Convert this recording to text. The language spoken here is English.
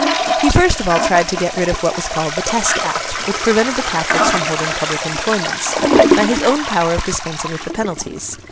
He first of all tried to get rid of what was called the Test Act—which prevented the Catholics from holding public employments—by his own power of dispensing with the penalties.